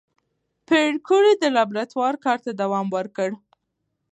پېیر کوري د لابراتوار کار ته دوام ورکړ.